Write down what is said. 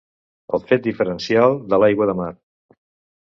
El fet diferencial de l'aigua de mar.